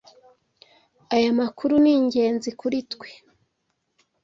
Aya makuru ni ingenzi kuri twe.